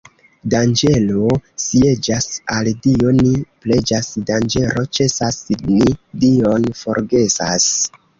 Danĝero sieĝas, al Dio ni preĝas; danĝero ĉesas, ni Dion forgesas.